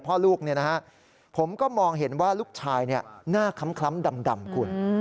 พ่อลูกผมก็มองเห็นว่าลูกชายหน้าคล้ำดำคุณ